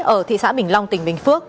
ở thị xã bình long tỉnh bình phước